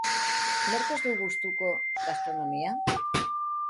Nork ez du gustuko gastronomia?